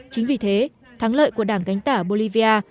chính vì thế thắng lợi của đảng gánh tả bolivia